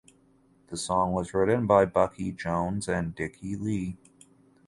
The song was written by Bucky Jones and Dickey Lee.